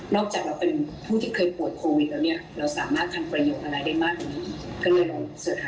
นอกจากเราเป็นผู้ที่เคยป่วยโควิดแล้วเราสามารถทำประโยชน์อะไรได้มากกว่านี้อีก